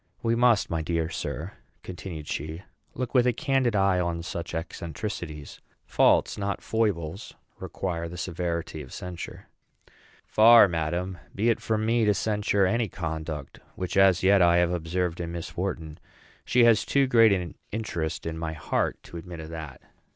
We must, my dear sir," continued she, "look with a candid eye on such eccentricities. Faults, not foibles, require the severity of censure." "Far, madam, be it from me to censure any conduct which as yet I have observed in Miss Wharton; she has too great an interest in my heart to admit of that."